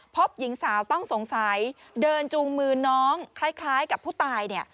พบหญิงสาวต้องสงสัยเดินจูงมือน้องคล้ายกับผู้ตายเนี่ย